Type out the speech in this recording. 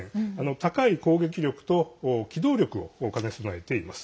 高い攻撃力と機動力を兼ね備えています。